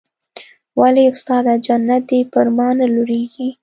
ولې استاده جنت دې پر ما نه لورېږي.